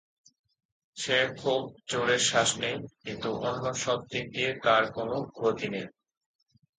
সে খুব জোরে শ্বাস নেয়, কিন্তু অন্য সব দিক দিয়ে তার কোন গতি নেই।